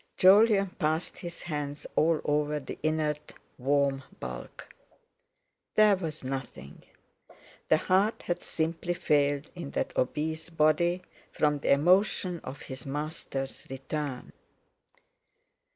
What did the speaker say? Jolyon passed his hands all over the inert warm bulk. There was nothing—the heart had simply failed in that obese body from the emotion of his master's return.